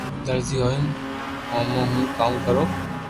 درزي ھوئين ھمو ھون ڪاوُ ڪرو